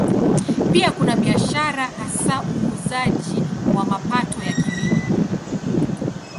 Pia kuna biashara, hasa uuzaji wa mapato ya Kilimo.